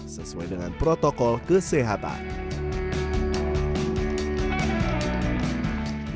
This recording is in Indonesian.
sesuai dengan protokol kesehatan